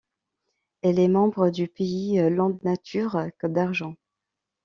Elle est membre du Pays Landes Nature Côte d'Argent.